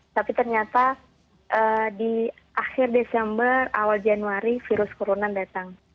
tapi ternyata di akhir desember awal januari virus corona datang